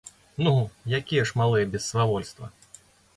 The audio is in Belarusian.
Ну, якія ж малыя без свавольства!